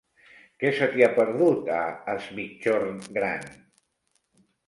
Què se t'hi ha perdut, a Es Migjorn Gran?